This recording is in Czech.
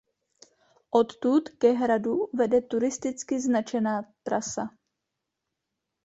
Odtud ke hradu vede turisticky značená trasa.